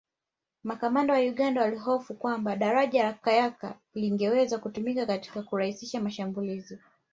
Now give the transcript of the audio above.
Makamanda wa Uganda walihofu kwamba Daraja la Kyaka lingeweza kutumika katika kurahisisha mashamulizi